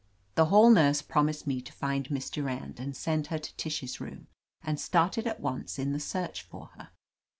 The hall nurse promised me to find Miss Du rand and send her to Tish's room, and started at once in the search for her.